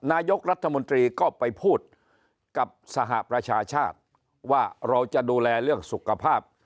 นายกรัฐมนตรีก็ไปพูดกับสหประชาชาติว่าเราจะดูแลเรื่องสุขภาพ